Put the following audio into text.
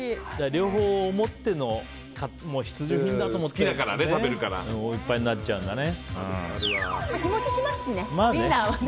両方必需品だと思っていっぱいになっちゃうんだね。